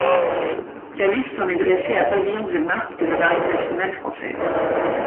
La liste en est dressée à Pavillons et marques de la marine nationale française.